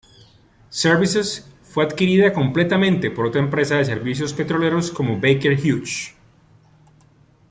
Services fue adquirida completamente por otra empresa de servicios petroleros como Baker Hughes.